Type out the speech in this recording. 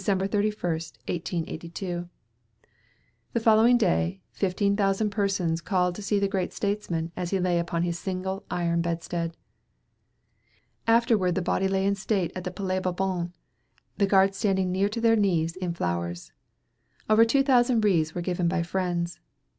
31, 1882. The following day, fifteen thousand persons called to see the great statesman as he lay upon his single iron bedstead. Afterward the body lay in state at the Palais Bourbon, the guard standing nearly to their knees in flowers. Over two thousand wreaths were given by friends.